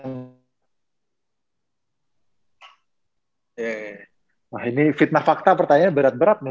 nah ini fitnah fakta pertanyaan berat berat nih